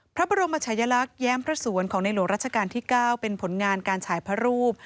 พระบรมชายลักษณ์แย้มพระสวนของในหลวงราชการที่๙เป็นผลงานการฉายพระรูป